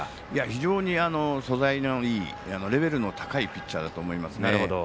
非常に素材のいいレベルの高いピッチャーだと思います。